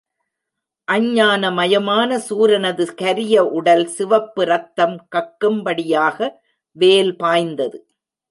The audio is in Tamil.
அஞ்ஞான மயமான சூரனது கரிய உடல் சிவப்பு ரத்தம் கக்கும் படியாக வேல் பாய்ந்தது.